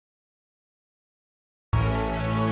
aku pengen watik saat animasik